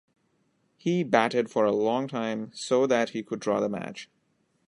He batted for a long time so that he could draw the match.